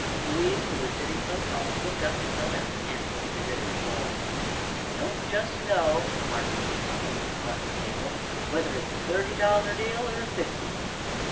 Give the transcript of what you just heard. Louise, who was sitting close by, looked up and held out her hand for the beribboned roll. "I don't jes' know," remarked Skim, as he handed it across the table, "whether it's a thirty dollar deal, er a fifty."